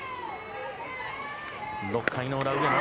６回の裏、上野。